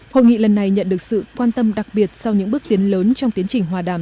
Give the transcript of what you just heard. hội nghị lần này nhận được sự quan tâm đặc biệt sau những bước tiến lớn trong tiến trình hòa đàm